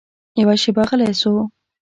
يوه شېبه غلى سو.